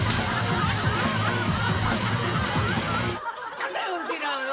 何だよ？